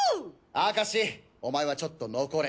明石お前はちょっと残れ。